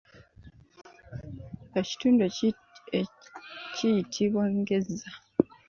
Ekitundu kiyitibwa engeza.